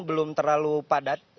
belum terlalu padat